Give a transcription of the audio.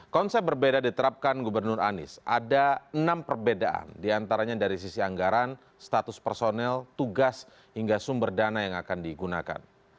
konsep berbeda diterapkan gubernur anies ada enam perbedaan diantaranya dari sisi anggaran status personel tugas hingga sumber dana yang akan digunakan